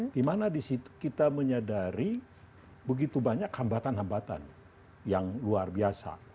di mana di situ kita menyadari begitu banyak hambatan hambatan yang luar biasa